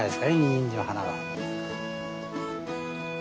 ニンジンの花は。